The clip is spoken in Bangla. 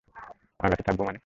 আগাতে থাকব মানে?